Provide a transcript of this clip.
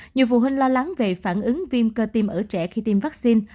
nhiều phụ huynh lo lắng về phản ứng viêm cơ tim ở trẻ khi tiêm vaccine